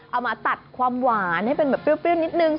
เอามาตัดความหวานให้เป็นแบบเปรี้ยวนิดนึง